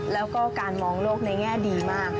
แล้วก็การมองโลกในแง่ดีมาก